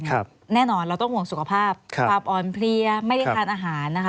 แน่นอนเราต้องห่วงสุขภาพความอ่อนเพลียไม่ได้ทานอาหารนะคะ